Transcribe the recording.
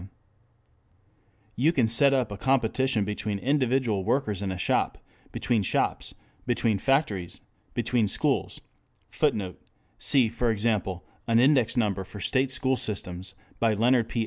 ] you can set up a competition between individual workers in a shop; between shops; between factories; between schools; [Footnote: See, for example, An Index Number for State School Systems by Leonard P.